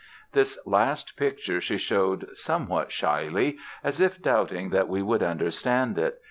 This last picture she showed somewhat shyly, as if doubting that we would understand it.